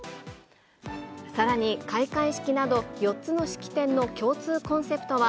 さらに開会式など、４つの式典の共通コンセプトは、